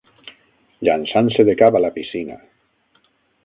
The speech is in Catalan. Llançant-se de cap a la piscina.